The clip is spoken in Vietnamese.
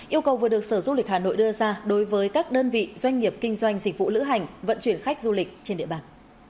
yêu cầu vừa được sở du lịch hà nội đưa ra đối với các đơn vị doanh nghiệp kinh doanh dịch vụ lữ hành vận chuyển khách du lịch trên địa bàn